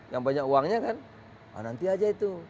yang banyak uangnya kan nanti aja itu